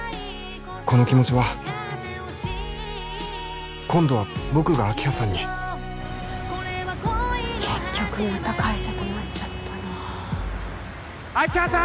この気持ちは今度は僕が明葉さんに結局また会社泊まっちゃったな明葉さん！